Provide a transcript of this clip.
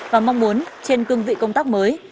và mong muốn trên cương vị công tác mới